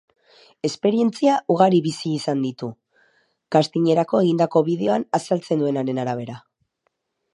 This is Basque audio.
Esperientzia ugari bizi izan ditu, castingerako egindako bideoan azaltzen duenaren arabera.